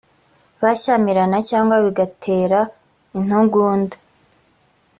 bashyamirana cyangwa bigatera intugunda